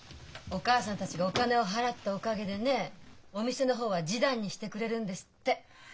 お母さんたちがお金を払ったおかげでねえお店の方は示談にしてくれるんですって。